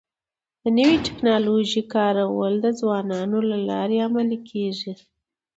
د نوي ټکنالوژۍ کارول د ځوانانو له لارې عملي کيږي.